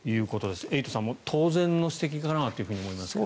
エイトさん、当然の指摘かなと思いますが。